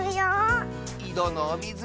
いどのおみず